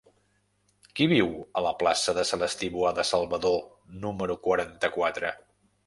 Qui viu a la plaça de Celestí Boada Salvador número quaranta-quatre?